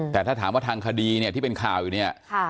แต่ถ้าถามว่าทางคดีเนี่ยที่เป็นข่าวอยู่เนี่ย